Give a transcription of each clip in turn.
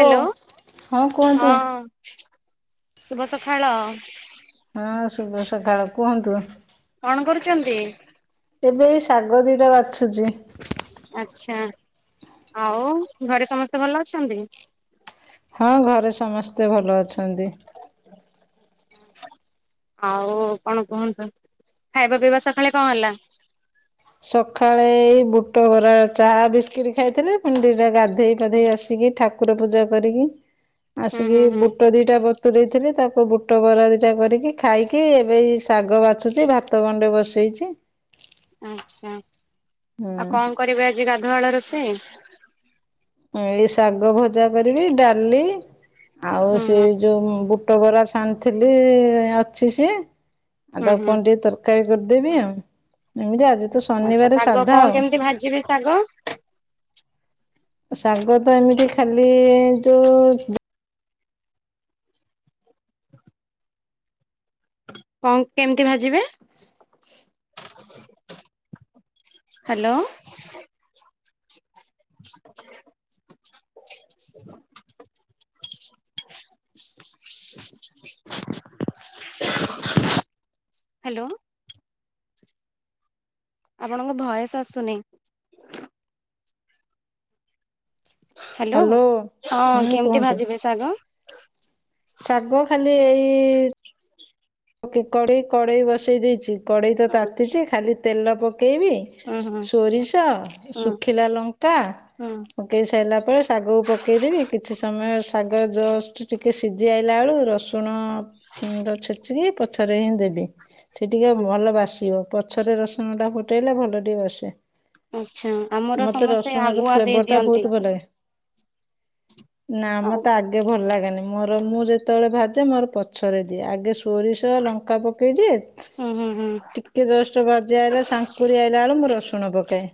Hello ହଁ। ଶୁଭ ସକାଳ। ହଁ ଶୁଭ ସକାଳ କୁହନ୍ତୁ। କଣ କରୁଛନ୍ତି? ତେବେ ଏଇ ଶାଗ ଦିଟା ବାଛୁଛି। ଆ୍ଛା ଆଉ ଘରେ ସମସ୍ତେ ଭଲ ଅଛନ୍ତି। ହଁ ଘରେ ସମସ୍ତେ ଭଲ ଅଛନ୍ତି ଆଛା। ଆଉ କଣ କୁହନ୍ତୁ ଖାଇବା ପିଇବା ସକାଳେ କଣ ହେଲା? ସକାଳେ ଏ ବୁଟ ବରା ଚା ବିସ୍କିଟ ଖାଇଥିଲେ ପୁଣି ଦିଟା ଗାଧେଇ ପାଧେଇ ଆସିକି। ଠାକୁର ପୂଜା କରିକି ହୁଁ ଆସିକି ହୁଁ ହୁଁ ବୁଟ ଦିଟା ବତୁ ଦେଇଥିଲେ ତାକୁ ବୁଟ ବରା ଦିଟା କରିକି ଖାଇକି ଏବେ ଶାଗ ବାଛୁଛି ଭାତ ଗଣ୍ଡେ ବସେଇଛି ଆଚ୍ଛା ଆଉ ହୁଁ। କଣ କରିବି ଆଜି ଗାଧୁଆଳ ରୋଷେଇ ଶାଗ ଭଜା କରିବି ଡାଲି ଆଉ ହୁଁ ସେ ହୁଁ ଯୋଉ ପୋଟ ବରା ଛାଣିଥିଲି ଅଛି ସିଏ ଆଉ ହୁଁ ତାକୁ ହୁଁ କଣ ଟିକେ ତରକାରୀ କରିଦେବି ଆଉ ଯ ତ ଆଚ୍ଛା ଶନିବାର ଶାଗ ସାଧା କଣ ଆଉ। କେମିତି ଭାଜିବେ ଶାଗ? ଶାଗ ତ ଏମିତି ଖାଲି ଯୋଉ। [unintelligible] କଣ କେମିତି ଭାଜିବେ ହ୍ୟାଲୋ। [unintelligible] [unintelligible] ହ୍ୟାଲୋ। ଆପଣଙ୍କ ବୟସ ଆସୁନି। ହ୍ୟାଲୋ ହଁ ହୁଁ କେମିତି ଭାଜିବେ ଶାଗ ସାଗବ ଖାଲି ଏଇ କେଇ କଡେଇ ବସେଇ ଦେଇଛି କଡେଇ ତ ହୁଁ ତାତିଛି ଖାଲି ତେଲ ପକ ପକେଇବି ହୁଁ ସୋରିଷ ହୁଁ ଶୁଖିଲା ଲଙ୍କା ହୁଁ ପକେଇ ସାରିଲା ପରେ ଶାଗକୁ ପକେଇଦବି କିଛି ସମୟ ଶାଗ ଜଷ୍ଟ ଟିକେ ସିଝି ଆଇଲା ବେଳୁ ରସୁଣ ତ ଛ। ିକ ପଛରେ ହିଁ ଦେବି ସେ ଟିକେ ଭଲ ବାସିବ ପଛରେ ରସୁଣ ଟା ଫୁଟେଇଲେ ଭଲ ଟିକେ ବାସେ ଆଚ୍ଛା ଆମର ମତେ ସମସ୍ତେ ରସୁଣ ର ଆଗୁଆ ଦେଇ ଫ୍ଲେବର ଟା ଦିଅନ୍ତି ବହୁତ ଭଲ ନା ଆଉ ମତେ ଆଗେ ଭଲ ଲାଗେନି ମୋର ମୁଁ ଯେତେବେଳେ ଭାଜେ ମୋର ପଛରେ ଦିଏ ଆଗେ ସୋରିଷ ଲଙ୍କା ପକାଇଛି। ହୁଁ ହୁଁ ହୁଁ ଟିକେ ଜଷ୍ଟ ଭଜି ଆଇଲା ସାଙ୍କୁରି ଆଇଲାା ବେଳୁ ମୁଁ ରସୁଣ ପକାଏ।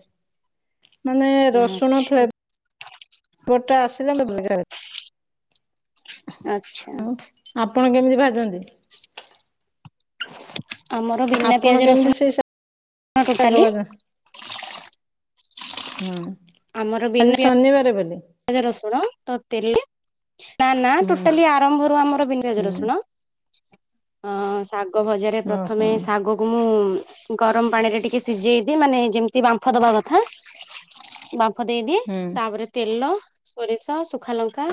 ମାନେ ରସୁଣ ଆଚ୍ଛା ଫ୍। ଗୋଟେ ଆସିଲ। ଆଚ୍ଛା। ଆପଣ କେମିତି ଭାଛନ୍ତି ଆମର ଭେନା ପିଆଜ କେମିତି ସେଇ ରସୁଣ ଶାଗ ଟୋଟାଲି ହଁ ଆଜି ଶନିବାର ବୋଲି ଗଜ ରସୁଣ ତତିଲ ନା ନା ହୁଁ ଟୋଟାଲି ଆରମ୍ଭରୁ ଆମର ବିଧଜର ହୁଁ ଶୁଣ ଶାଗ ଭଜାରେ ଓହୋ ପ୍ରଥମେ ଶାଗକୁ ମୁଁ ଗରମ ପାଣିରେ ଟିକେ ସିଝେଇଦି ମାନେ ଯେମିତି ବାମ୍ଫ ଦବା କଥା ଭଫ ଦେଇଦିଏ ହୁଁ ତାପରେ ତେଲ ସୋରିଷ ଶ ସୁଖାଲଙ୍କା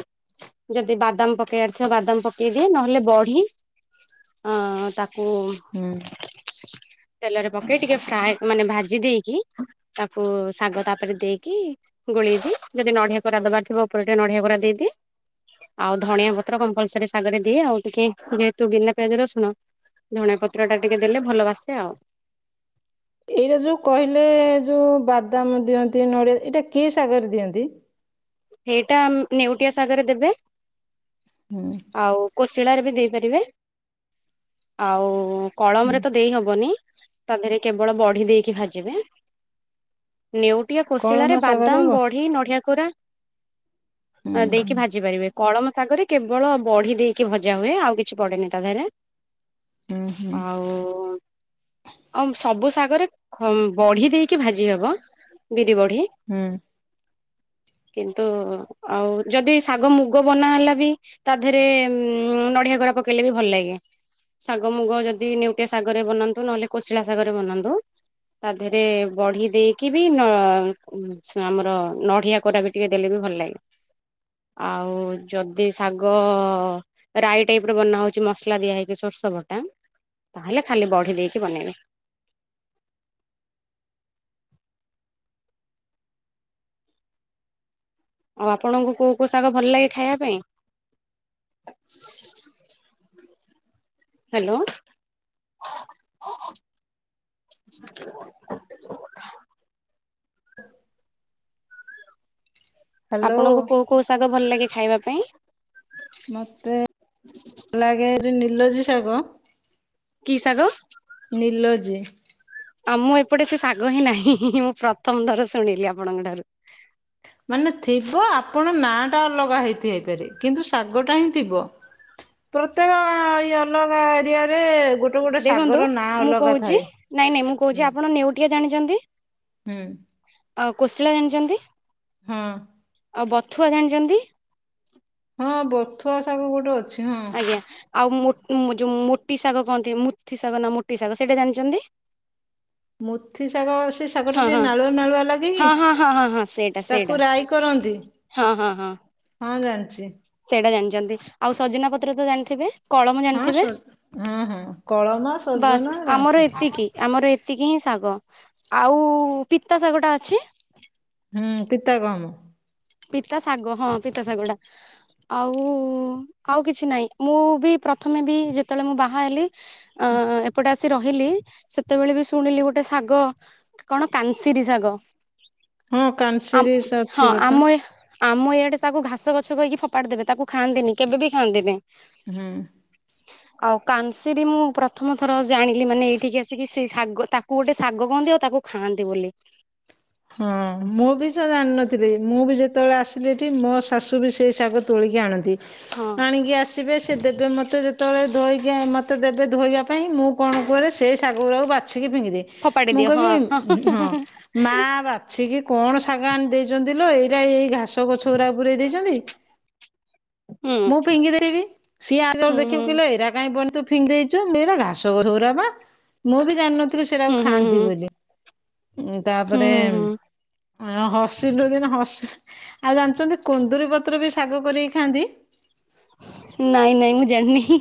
ଯଦି ବାଦାମ ପକେଇବାର ଥିବା ବାଦାମ ପକେଇଦିଏ ନହେଲେ ବଢି ଅ ତାକୁ ହୁଁ। ଓୁ ତେଲରେ ପକେଇ ଟିକେ ଫ୍ରାଏ ମାନେ ଭାଜି ଦେଇକି ତାକୁ ଶାଗ ତାପରେ ଦେଇକି ଗୋଳେଇକି ଯଦି ନଡିଆ କରା ଦବାର ଥିବ ଉପରେ ଟିକେ ନଢଆ କରା ଦେଇଦିଏ। ଆଉ ଧଣିଆ ପତ୍ର କମ୍ପଲସରି ଶାଗରେ ଦିଏ ଆଉ ଟିକେ ଯେହେତୁ ବିନା ପିଆଜ ରସୁଣ ଧଣିଆ ପତ୍ର ଟା ଟିକେ ଦେଲେ ଭଲ ବାସେ ଆଉ। ଏଇଟା ଯୋଉ କହିଲେ ଯୋଉ ବାଦାମ ଦିଅନ୍ତି ନଡ଼ିଆ ଏଇଟା କି ଶାଗରେ ଦିଅନ୍ତି। ସେଇଟା ନେଉଟିଆ ଶାଗରେ ଦେବେ ହୁଁ ଆଉ କୋଶଳ ରେ। ଦେଇପାରିବେ ଆଉ ହୁଁ କଳମରେ ତ ଦେଇ ହବନି। ତା ଦେହରେ କେବଳ ବଢି ଦେଇକି ଭାଜିବେ। ନେଉଟିଆ ରେ କଳମ କୋଶଳ ରେ ଶାଗରେ ବାଦାମ ହୁଁ ବଢି ନଡ଼ିଆ କୋରା ହୁଁ ହୁଁ ଦେଇକି ଭାଜି ପାରିବେ କଳମ ଶାଗରେ କେବଳ ବଢି ଦେଇକି ଭଜା ହୁଏ ଆଉ କିଛି ପଡେନି ତା ଦେହରେ। ହୁଁ ହୁଁ। ଆଉ ଆଉ ସବୁ ଶାଗରେ ବଢି ଦେଇକି ଭାଜି ହବ। କି ବଢି। କିନ୍ତୁ ଆଉ ଯଦି ଶାଗ ମୁଗ ବନା ହେଲା ବି ତା ଦେହରେ ଉ ନଡିଆ କୋରା ପକେଇଲେ ବି ଭଲ ଲାଗେ। ଶାଗ ମୁଗ ଯଦି ନେଉଟିଆ ଶାଗରେ ବନାନ୍ତୁ ନହେଲେ କୋଶଳା ଶାଗରେ ବନାନ୍ତୁ ତା ଦେହରେ ବଢି ଦେଇକି ବି ନ ଆମର ନଡିଆ କୋରା ବି ଟିକେ ଦେଲେ ବି ଭଲ ଲାଗେ। ଆଉ ଯଦି ଶାଗ ରାଇ ଟାଇପ ର ବନା ହଉଛି ମସଲା ଦିଆ ହେଇକି ଶୋ ସୋରିଷ ବଟା ତାହେଲେ ଖାଲି ବଢି ଦେଇକି ବନେଇବେ। [inaudible] ଆଉ ଆପଣଙ୍କୁ କୋଉ କୋଉ ଶାଗ ଭଲ ଲାଗେ ଖାଇବା ପାଇଁ? ହାଲୋ। [inaudible] ହ୍ୟାଲୋ ଆପଣଙ୍କୁ କୋଉ କୋଉ ଶାଗ ଭଲ ଲାଗେ ଖାଇବା ପାଇଁ? ମତେ ଭଲଲାଗେ ଏ ନୀଲୋଜୀ ଶାଗ। କି ଶାଗ? ନିଲୋଜି। ଆଉ ମୁଁ ଏପଟେ ସେ ଶାଗ ହିଁ ନାହିଁ ମୁଁ ପ୍ରଥମ ଥର ଶୁଣିଲି ଆପଣଙ୍କ ଠାରୁ। ମାନେ ଥିବ ଆପଣ ନା ଟା ଅଲଗା ହେଇଥାଇପାରେ କିନ୍ତୁ ଶାଗ ଟା ହିଁ ଥିବ। ପ୍ରତ୍ୟେକ ଅଲଗା ଏରିଆ ଏବେ ଗୋଟେ ଗୋଟେ ଦେଖନ୍ତୁ ଶାଗର ନାଁ ମୁଁ ଅଲଗା କହୁଛି ଥାଏ ନାଇଁ ନାଇଁ ମୁଁ କହୁଛି ହୁଁ ଆପଣ ନେଉଟିଆ ଜାଣିଛନ୍ତି? । ହୁଁ । ଆଉ କୋଶଳା ଜାଣିଛନ୍ତି । ହଁ । ଆଉ ବଥୁଆ ଜାଣିଛନ୍ତି । ହଁ ବଥୁଆ ଶାଗ ଗୋଟେ ଅଛି। ହଁ। ଆଜ୍ଞା ଆଉ ମୁ ଯୋଉ ମୋଟି ଶାଗ କହନ୍ତି ମୁଠି ଶାଗ ନା ମୋଟି ଶାଗ ସେଇଟା ଜାଣିଛନ୍ତି। ମୁଠି ଶାଗ। ସେ ଶାଗଟା ହଁ ଟିକେ ହଁ ନାଳୁଆ ନାଳୁଆ ଲାଗେକି ହଁ ହଁ ହଁ ହଁ ହଁ ସେଇଟା ସେଇଟା ତାକୁ ରାଇ କରନ୍ତି। ହଁ ହଁ ହଁ। ହଁ ଜାଣିଛି। ସେଇଟା ଆଉ ସଜନା ପତ୍ର ତ ଜାଣିଥିବେ। କଳମ ହଁ ସ ଜାଣିଥିବେ ହଁ ହଁ କଳମ ବାସ୍ ସଜନା ଆମର ଜାଣିଛି। ଏତିକି ଆମର ଏତିକି ହିଁ ଶାଗ। ଆଉ ପିତା ଶାଗଟା ଅଛି। ହୁଁ ପିତା ଗହମ ପିତା ଶାଗ ହଁ ପିତା ଶାଗ ଟା ଆଉ ଆଉ କିଛି ନାଇଁ ମୁଁ ବି। ପ୍ରଥମେ ବି ଯେତେବେଳେ ମୁଁ ବାହା ହେଲି ଏପଟେ ଆସି ରହିଲି ସେତେବେଳେ ବି ଶୁଣିଲି ଗୋଟେ। ଶାଗ କଣ କାନସିରୀ ଶାଗ ହଁ ଆ କାନସିରି ଅଛି ହଁ ଗଛ ଆମ ଏ। ଆମ ଇଆଡେ ତାକୁ ଘାସ ଗଛ କହିକି ଫୋପାଡି ଦେବେ ତାକୁ ଖାଆନ୍ତିନି କେବେ ବି ଖାଆନ୍ତିନି। ହୁଁ। ଆଉ କାନ୍ସିର ମୁଁ ପ୍ରଥମ ଥର ଜାଣିଲି ମାନେ ଏଇଠିକି ଆସିକି ସେ ଶାଗ ତାକୁ ଗୋଟେ ଶାଗ କହନ୍ତି ଆଉ ତାକୁ ଖାଆନ୍ତି ବୋଲି ହଁ, ମୁଁ ବି ତ ଜାଣିନଥିଲି ମୁଁ ବି ଯେତେବେଳେ ଆସିଲି ଏଠି ମୋ ଶାଶୁ ବି ସେଇ ଶାଗ ତୋଳିକି ଆଣନ୍ତି ହଁ ଆଣିକି ଆସିବେ ସେ ଦେବେ ମୋତେ ଯେତେବେଳେ ଧୋଇକି ମୋତେ ଦେବେ ଧୋଇବା ପାଇଁ ।ମୁଁ କଣ କରେ ସେହି ଶାଗଗୁରାକୁ ବାଛ ଫିଙ୍ଗି ଦେ, ଫୋପାଡି ମୁଁ ଦିଅ ହଁ କହିବି ହଁ ବାଛି କିି କଣ ଶାଗ ଆଣି ଦେଇଛନ୍ତି ଲୋ ଏଇଟା ଏଇ ଘା ଘାସ ଗଛ ଗୁରା ପୁରେଇ ଦେଇଛନ୍ତି ମୁଁ ଫିଙ୍ଗି ଦେବି। ସିଏ ହୁଁ [unintelligible] ହୁଁ କହିବେ ଏଇରା କାଇଁ ବ ଫିଙ୍ଗି ଦେଇଛୁ ମୁଁ କହିବି ଏଗୁରା ଘାସଗଛ ଗୁରା ବା ।ମୁଁ ବି ଜାଣିନଥିଲି ହୁଁ ସେଟାକୁ ହୁଁ ହୁଁ ହୁଁ ଖାଆନ୍ତି ବୋଲି। ଉଁ, ତାପରେ ହୁଁ ହୁଁ ହୁଁ ହସିଲୁ ଦିନେ ହସି ଆଉ ଜାଣିଛନ୍ତି କୁନ୍ଦୁରୀ ପତ୍ର ବି ଶାଗ କରିକି ଖାଆନ୍ତି। ନାଇଁ-ନାଇଁ ମୁଁ ଜାଣିନି।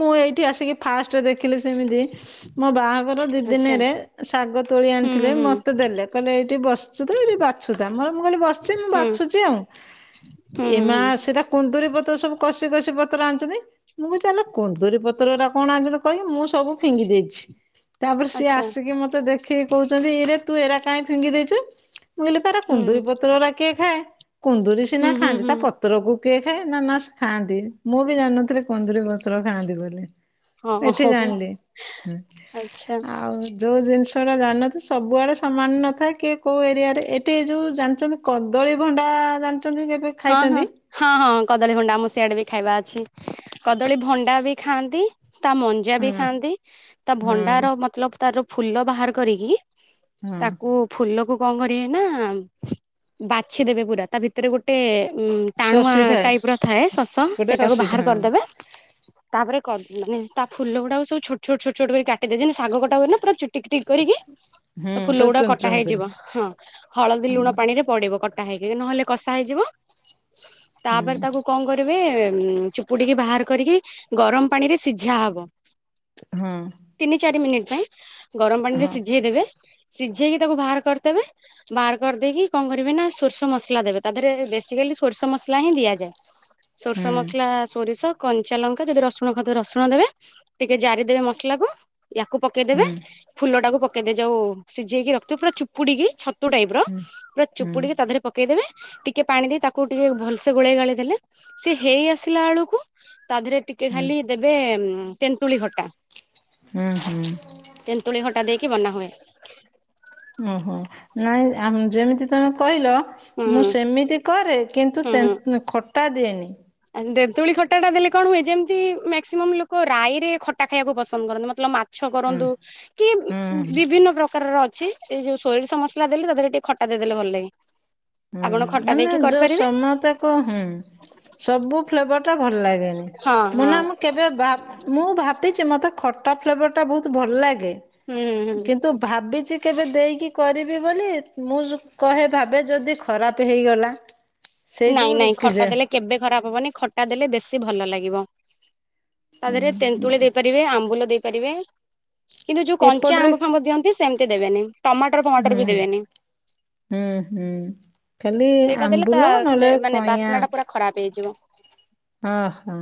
ମୁଁ ଏଇଠି ଆସିକି ଫାଷ୍ଟ ଦେଖି ଦେଖିଲେ ସେମିତି, ମୋ ବାହାଘର ଦି ଆଚ୍ଛା ଦିନରେ ଶାଗ ତୋଳି ହୁଁ ଆଣିଥିଲେ ହୁଁ ମତେ ଦେଲେ କହିଲେ ଏଇଠି ବସିଚୁ ତ ଏଇଠି ବାଛୁଥା। ମୋର ମୁଁ କହିଲି ବସିଛି ମୁଁ ହୁଁ ବାଛୁଛି ଆଉ। ହୁଁ ଏ ହୁଁ ମା ହୁଁ ସେଟା କୁନ୍ଦୁରୀ ପତ୍ର ସବୁ କଷି କଷି ପତ୍ର ଆଣିଛନ୍ତି। ମୁଁ କହୁଚି ଆଲୋ କୁନ୍ଦୁରୀ ପତ୍ରଗୂରା କଣ ଆଣିଚନ୍ତି କହିକି ମୁଁ ସବୁ ଫିଙ୍ଗି ଦେଇଚି। ତାପରେ ସିଏ ଆଚ୍ଛା ଆସିକି ମତେ ଦେଖିକି କହୁଚନ୍ତି ଇରେ ତୁ ଏଗୁରା କାହିଁ ଫିଙ୍ଗି ଦେଇଚୁ? ମୁଁ କହିଲି ତାର ହୁଁ ଦୁଇ ପତ୍ରଗୁରା କିଏ କୁନ୍ଦୁରିୀ ସିନା ହୁଁ ହୁଁ ଖାଆନ୍ତି ହୁଁ ତା ପତ୍ରକୁ କିଏ ଖାଏ। ନା, ନା ସେ ଖାଆନ୍ତି ।ମୁଁ ବି ଜାଣିନଥିଲି କୁନ୍ଦୁରୀ ପତ୍ର ଖାଆନ୍ତି ବୋଲି। ହଁ ଏଠି ହଁ ଜାଣିଲି। ଆଚ୍ଛା ଆଉ ଯୋଉ ଜିନିଷ ଏଗୁରା ଜାଣିନଥିଲି ସବୁଆଡେ ସମାନ ନଥାଏ କି କୋଉ ଏରିଆରେ ଏଠି ଯୋଉ ଜାଣିଚନ୍ତି କଦଳୀ ଭଣ୍ଡା ଜା ହଁ-ହଁ-ହଁ-ହଁ କଦଳୀ ଭଣ୍ଡା ଆମ ସିଆଡେ ବି ଖାଇବା ଅଛି। କଦଳୀ ଭଣ୍ଡା ବି ଖାଆନ୍ତି। ତା ମଞ୍ଜା ବି ହୁଁ ଖାଆନ୍ତି, ତା ହୁଁ ଭଣ୍ଡାର ମତଲବ ତାର ଫୁଲ ବାହାର କରିକି ହୁଁ ତାକୁ ଫୁଲକୁ କଣ କରିବେ ନା ବାଛିଦେବେ ପୁରା ତା ଭିତରେ ଗୋଟେ ଉଁ ଟାଣୁଆ ଶୋଷି ଥାଏ ଟାଇପ ର ଥାଏ ଶସ ଗୋଟେ ସେଇଟାକୁ ଶୋଷିଟା ବାହାର ହଁ କରିଦେବେ ତାପରେ ମାନେ ତା ଫୁଲ ଗୁଡାକ ସବୁ ଛୋଟ-ଛୋଟ-ଛୋଟ-ଛୋଟ କରି କରିଦେଇଛନ୍ତି ଶାଗ କଟା ହୁଏ ନା ପୁରା ଟିକ୍-ଟିକ୍ କରିକି ହୁଁ ତା ଫୁଲ ପୁରା ଗୁଡା ଚୁନ କଟା ଚୁନ କରି ହେଇଯିବ। ହଁ ହଳଦୀ ହୁଁ ଲୁଣ ପାଣିରେ ପଡିବ କଟ କଟା ହେଇ ନହେଲେ କଷା ହେଇଯିବ। ହୁଁ ତାପରେ ତାକୁ କଣ କରିବେ ଉଁ ଚୁପୁଡିକି ବାହାର କରିକି ଗରମ ପାଣିରେ ସିଝା ହବ ହଁ ତିନି ଚାରି ମିନିଟ ପାଇଁ ଗରମ ପାଣିରେ ହଁ ସିଝେଇ ଦେବେ ସିଝେଇକି ତାକୁ ବାହାର କରିଦେବେ ବାହାର କରିଦେଇକି କଣ କରିବେ ନା ସୋରିଷ ମସଲା ଦେବେ। ତା ଦେହରେ ବେସିକାଲି ସୋରିଷ ମସଲା ହିଁ ଦିଆଯାଏ। ସୋରିଷ ହୁଁ ମସଲା ସୋରିଷ କଞ୍ଚା ଲଙ୍କା ଯଦି ରସୁଣ ଥବ ରସୁଣ ଦେବେ ଟିକେ ଜାରିଦେବେ ମସଲାକୁ ୟାକୁ ପକେଇଦେବେ ହୁଁ ଫୁଲ ଟାକୁ ପକେଇଦେବ ଯୋଉ ସିଝେଇକି ରଖ ପୁରା ଚୁପୁଡିକି ଛତୁ ଟାଇପ ର ପୁରା ହୁଁ ଚୁପୁଡିକି ତା ଦେହରେ ପକେଇଦେବେ ଟିକେ ପାଣି ଦେଇ ତାକୁ ଟିକେ ଭଲସେ ଗୋଳେଇ ଗାଳେଇ ଦେଲେ ସେ ହେଇ ଆସିଲା ବେଳକୁ ତା ଦେହରେ ଟିକେ ହୁଁ ଖାଲି ଦେବେ ତେନ୍ତୁଳି ଖଟା। ହୁଁ-ହୁଁ। କି ବନା ହୁଏ। ଓ ହୋ ନାଇଁ ଯେମିତି ତମେ କହିଲ ହୁଁ ମୁଁ ସେମିତି କରେ କିନ୍ତୁ ହୁଁ ହୁଁ। ତେନ୍ ଖଟା ଦିଏନି। ଆ ତେନ୍ତୁଳି ଖଟା ଟା ଦେଲେ କଣ ହୁଏ ଯେମିତି ମାକ୍ସିମମ୍ ଲୋକ ରାଇରେ ଖଟା ଖାଇବାକୁ ପସନ୍ଦ କରନ୍ତି ମତେ ମାଛ ହୁଁ କରନ୍ତୁ କି ହୁଁ ହୁଁ ବିଭିନ୍ନ ପ୍ରକାରର ଅଛି। ଏଇ ଯୋଉ ସୋରିଷ ମସଲା ଦେଲି, ତା ଦେହରେ ଟିକେ ଖଟା ଦେଇ ଦେଲେ ଭଲ ଲାଗେ। ହୁଁ ଆପଣ ହୁଁ ଖଟା ମାନେ ଦେଇକି ଯୋଉ କରିପାରିବେ ସମୟତା କୁ ହୁଁ ସବୁ ଫ୍ଲେଭରଟା ଭଲ ଲାଗେନି ହଁ ମୁଁ ହଁ ନା ମୁଁ କେବେ ମୁଁ ଭାବିଛି ମୋତେ ଖ ଟା ଫ୍ଲେଭର ଟା ବହୁତ ଭଲ ଲାଗେ ହୁଁ ହୁଁ କିନ୍ତୁ ଭାବିଚି। କେବେ ଦେଇକି କରିବି ବୋଲି ମୁଁ କହେ ଭାବେ ଯଦି ଖରାପ ହେଇଗଲା। ସେଇ ନାଇଁ ଯୋଉ ନାଇଁ ଖଟା ରୁକିଯାଏ ଦେଲେ କେବେ ଖରାପ ହବନି ଖଟା ଦେଲେ ବେଶୀ ଭଲ ଲାଗିବ। ତା ଦେହରେ ତେନ୍ତୁଳି ଦେଇପାରିବେ ଆମ୍ବୁଲ ଦେଇପାରିବେ। କିନ୍ତୁ ଯୋଉ କଞ୍ଚା ଏପଟରେ ଆମ୍ବ ଫାମ୍ବ ଦିଅନ୍ତି ସେମିତି ଦେବେନି ଟମାଟର ଫମାଟର ହୁଁ ବି ଦେବେନି। ହୁଁ ହୁଁ ଖାଲି ସେଇଟା ଦେଲେ ଆମ୍ବ ତା ତଲ ସ୍ମେ ନଲେ ମାନେ କଇଆ ବାସ୍ନା ଟା ପୁରା ଖରାପ ହେଇଯିବ। ଅ ହଁ।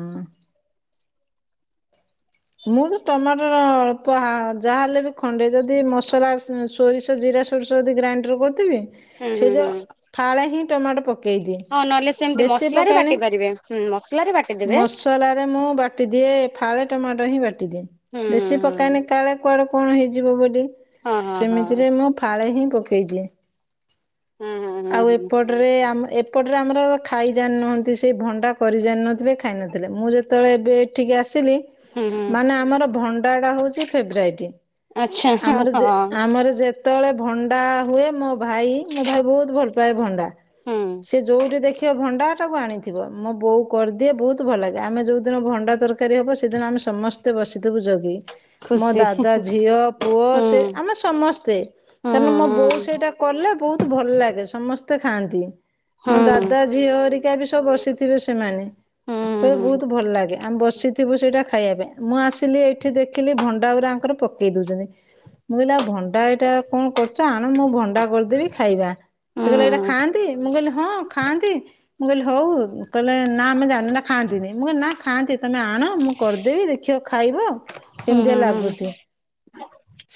ମୁଁ ତ ଟମାଟର ଅଳ୍ପ ଯାହାହେଲେ ବି ଖଣ୍ଡେ ଯଦି ମସଲା ସୋରିଷ ଜିରା ଜିରା ସୋରିଷ ଯଦି ଗ୍ରାଇଣ୍ଡର କରିଥିବି ହୁଁ ହୁଁ ସେ ହୁଁ ଯୋଉ ଫଳେହିଁ ଟମାଟ ପକେଇବ। ପକେଇଦିଏ ହଁ ନହେଲେ ସେମିତି ବେଶୀ ମସଲାରେ ପକାନି ବାଟି ପାରିବେ ହୁଁ ମସଲାରେ ବାଟିଦେବେ ମସଲାରେ ମୁଁ ବାଟିଦି ସିଏ ଫାଳେ ଟମାଟୋ ହିଁ ବାଟିଦିଏ ହୁଁ ବେଶୀ ହୁଁ ହୁଁ ପକଏନି କାଳେ କୁଆଡେ କଣ ହେଇଯିବ ବୋଲି ହଁ ହଁ ସେମିତିରେ ମୁଁ ଫାଳେ ହିଁ ପକେଇଛି। ହଁ ହୁଁ ହୁଁ ଆଉ ହୁଁ ହୁଁ ଏପଟରେ ଆମ ଏ ଏପଟରେ ଆମର ଖାଇ ଜଣିନାହାନ୍ତି ସେ ଭଣ୍ଡା କରି ଜାନ ନଥିଲେ ଖାଇ ନଥିଲେ ମୁଁ ଯେତେବେଳେ ଏବେ ଏଠିକି ଆସି ହୁଁ ହୁଁ ମାନେ ଆମର ଭଣ୍ଡା ଟା ହଉଛି ଫେବ୍ରଇଟ ଆଚ୍ଛା ହଁ ଆମର ଯେ ହଁ ଆମର ଯେ ଯେତେବେଳେ ଭଣ୍ଡା ହୁଏ ମୋ ଭାଇ ମୋ ଭାଇ ବହୁତ ଭଲ ପାଏ ଭଣ୍ଡା ହୁଁ ସେି ଯୋଉଠି ଦେଖ ଭଣ୍ଡାଟାକୁ ଆଣିଥିବ ମୋ ବୋଉ କରିଦିଏ ବହୁତ ଭଲ ଲାଗେ ଆମେ ଯଉଦିନ ଭଣ୍ଡା ତରକାରୀ କାରୀ ହେବ ସେଦିନ ଆମେ ସମସ୍ତେ ବସିଥିବୁ ଜଗି। ମୋ ଖୁସି ଦାଦା ଝିଅ ପୁଅ ହୁଁ ସେ ଆମେ ସମସ୍ତେ ହୁଁ କାରଣ ମୋ ହୁଁ ବୋଉ ସେଇଟା କଲେ ବହୁତ ଭଲ ଲାଗେ ସମସ୍ତେ ଖାଆନ୍ତି ମୋ ହୁଁ ଦାଦା ଝିଅ ହରିକା ବି ସବୁ ବସିଥିବେ ସେମାନେ ହୁଁ [inaudible] ହୁଁ ବହୁତ ଭଲ ଲାଗେ ଆମେ ବସିଥିବୁ ସେଇଟା ଖାଇବା ପାଇଁ ମୁଁ ଆସିଲି ଏଇଠି ଦେଖିଲି ଭଣ୍ଡା ଗୁରା ଆଙ୍କର ପକେଇ ଦେଉଛନ୍ତି। ମୁଁ କହିଲା ଭଣ୍ଡା ଏଇଟା କଣ କରୁଛ ଆଣ ମୁଁ ଭଣ୍ଡା କରିଦେବି ଖାଇବା। ସେ ହୁଁ କହିଲେ ଏଇଟା ଖାଆନ୍ତି ମୁଁ କହିଲି ହଁ ଖାଆନ୍ତି ମୁଁ କହିଲି ହଉ କହିଲେ। ନା ଆମେ ଜାଣୀନୁ ଏଟା ଖାଆନ୍ତିନି ମୁଁ କହିଲି ନା ଖାଆନ୍ତି ତମେ ଆଣ ମୁଁ କରିଦେବି ଦେଖିବ ଖାଇବ। ହୁଁ ହୁଁ କେମିତିଆ ଲାଗୁଛି।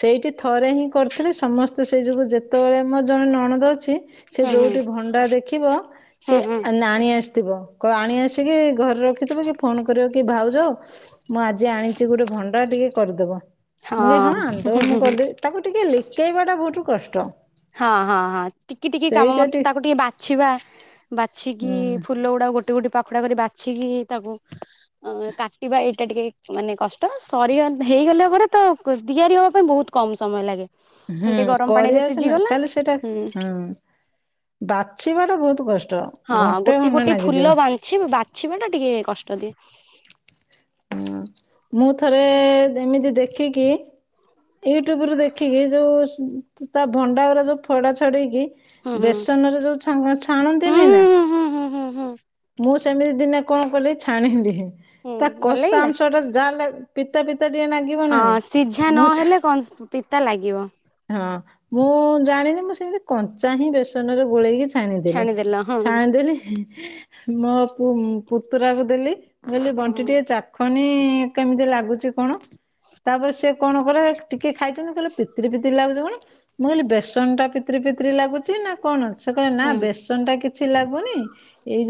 ସେଇଠି ଥରେ ହିଁ କରିଥିଲେି ସମସ୍ତେ ସେଇ ଯୋଗୁ ଯେତେବେଳେ ମୋର ଜଣେ ନଣଦ ଅଛି ସେ ହୁଁ ହୁଁ ହୁଁ ହୁଁ ଯୋଉଠି ଭଣ୍ଡା ଦେଖିବ ସେ ହଁ ନାଣି ଆସି। ଥିବ କ ଆଣି ଆସିକି ଘରେ ରଖିଥିବ କି ଫୋନ୍ କରିବ କି ଭାଉଜ। ମୁଁ ଆଜି ଆଣିଛି ଗୋଟେ ଭଣ୍ଡା ଟିକେ କରିଦବ। ମୁଁ ହଁ ଆଣିଦେବ ମୁଁ କରିଦେବି ତାକୁ ଟିକେ ଲିକେଇବା ଟା ବହୁତୁ କଷ୍ଟ। ହଁ ହଁ ହଁ ଟିକି ଟିକି କାମ ମତେ ତାକୁ ଟିକେ ବାଛିବା ବାଛିକି ହୁଁ ଫୁଲ ଗୁଡାକ ଗୋଟେ ଗୋଟେ ପାଖଡା କରି ବା ଅଛି କି ତାକୁ କାଟିବା ଏଇଟା ଟିକେ ମାନେ କଷ୍ଟ ସରି ହେଇଗଲେ ପରେ। ତ ତିଆରି ହବା ପାଇଁ ବହୁତ କମ ସମୟ ଲାଗେ ହୁଁ ଖାଲି ଟିକେ ଗରମ କରି ପାଣିରେ ଆସ ନା ସିଝିଗଲା ତାହଲେ ସେଟା ହୁଁ ବାଚଛ ବାଟା ବହୁ ହଁ ଗୋଟେ ଗୋଟେ ଫୁଲ ବାଛି ବାଛିବା ଟା ଟିକେ କଷ୍ଟ ତାଦି ହଁ ମୁଁ ଥରେ ଏମିତି ଦେଖିକି ୟୁଟ୍ୟୁବ ରୁ ଦେଖିକି ଯୋଉ ତା ଭଣ୍ଡାଗୁରା ଯୋଉ ଫଡା ଛଡେଇକି ହୁଁ ହୁଁ ବେସନରେ ଯୋଉ ଛାଙ୍ଗା ହୁଁ ଛାଣନ୍ତିନି ନା, ହୁଁ ହୁଁ ହୁଁ ହୁଁ ହୁଁ ମୁଁ ସେମିତି ଦିନ କଣ କଲି ଛାଣିଲି, ହୁଁ ତା ଭଲ କଷା ଲାଗିଲା ଅଂଶ ଟା ଯାହାହେଲେ ପିତା ପି ତା ଟିକେ ଲାଗିବ ନା ହଁ ନାହିଁ, ସିଝା ମୁଁ ନହେଲେ କଣ ପିତା ଲାଗିବ ହଁ ମୁଁ ଜାଣିନି । ମୁଁ ସେମିତି କଞ୍ଚା ହିଁ ବେସନରେ ଗୋଳେଇକି ଛାଣିଦେଲି, ଛାଣିଦେଲ ହଁ ଛାଣିଦେଲି ମୋ ପୁ ପୁତୁରାକୁ ଦେଲି ମୁଁ କହିଲି ହଁ ବଣ୍ଟି ହଁ ଟିକେ ଚାଖ କେମିତି ଲାଗୁଛି କଣ? ତାପରେ ସେ କଣ କହିଲେ ଖାଇଛନ୍ତି କହିଲେ ପିତିରି ପିତିରି ଲାଗୁଛି କଣ? ମୁଁ କହିଲି ବେସନ ଟା ପିତିରି ପିତିରି ଲାଗୁଛି ନା କଣ ସେ କହିଲେ ନା ହୁଁ ବେସନ ଟା କିଛି ଲାଗୁନି ଏଇ ଯୋ-